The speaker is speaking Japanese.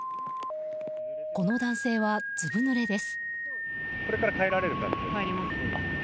この男性はずぶぬれです。